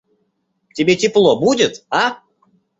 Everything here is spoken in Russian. Тебе тепло будет, а?